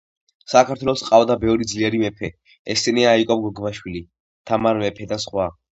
საქართველოს ყავდა ბევრი ძლიერი მეფე ესენია იაკობ გოგბაშვილი თამარ მეფე და სხვა